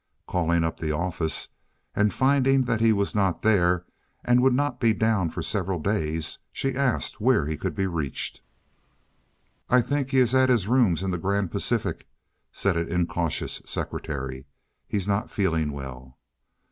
Calling up the office, and finding that he was not there and would not be down for several days, she asked where he could be reached. "I think he is at his rooms in the Grand Pacific," said an incautious secretary. "He's not feeling well."